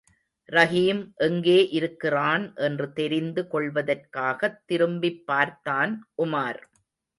ரஹீம் எங்கே இருக்கிறான் என்று தெரிந்து கொள்வதற்காகத் திரும்பிப்பார்த்தான் உமார்.